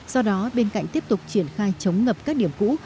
do đó bên cạnh tiếp tục triển khai chống ngập các điểm cũ